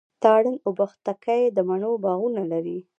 تارڼ اوبښتکۍ د مڼو باغونه لري.